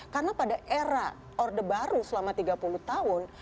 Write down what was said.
karena pada era orde baru selama tiga puluh tahun